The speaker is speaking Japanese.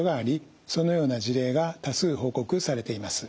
そのような事例が多数報告されています。